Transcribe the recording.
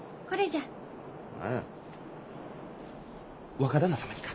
若旦那様にか？